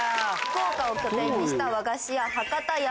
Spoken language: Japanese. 福岡を拠点にした和菓子屋。